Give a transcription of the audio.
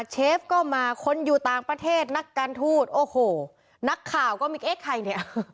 เชฟก็มาคนอยู่ต่างประเทศนักการทูตโอ้โหนักข่าวก็มีเอ๊ะใครเนี่ย